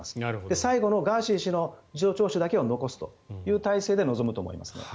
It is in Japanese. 最後のガーシー議員の事情聴取だけを残すという態勢で臨むと思います。